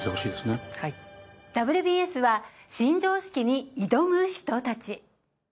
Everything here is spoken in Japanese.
「ＷＢＳ」は新常識に挑む人たち。